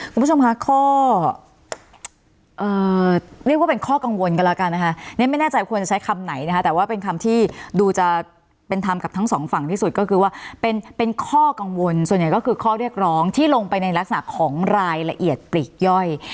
คุณผู้ชมค่ะข้อเรียกว่าเป็นข้อกังวลกันแล้วกันนะคะเนี่ยไม่แน่ใจควรจะใช้คำไหนนะคะแต่ว่าเป็นคำที่ดูจะเป็นธรรมกับทั้งสองฝั่งที่สุดก็คือว่าเป็นข้อกังวลส่วนใหญ่ก็คือข้อเรียกร้องที่ลงไปในลักษณะของรายละเอียดปลีกย่อย